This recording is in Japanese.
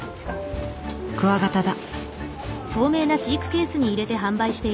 クワガタだ。